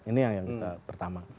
ini yang pertama